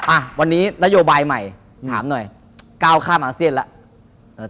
อ่ะวันนี้นโยบายใหม่ถามหน่อยก้าวข้ามอาเซียนแล้ว